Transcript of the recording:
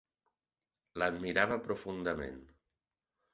L'admirava profundament.